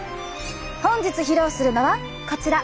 本日披露するのはこちら。